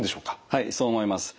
はいそう思います。